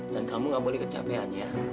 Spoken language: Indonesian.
dan kamu nggak boleh kecapean ya